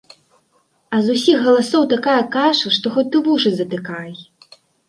А з усіх галасоў такая каша, што хоць ты вушы затыкай.